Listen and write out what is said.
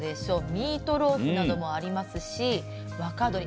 ミートローフなどもありますし若鶏